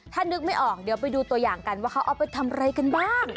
ถ้านึกไม่ออกเดี๋ยวไปดูตัวอย่างกันว่าเขาเอาไปทำอะไรกันบ้าง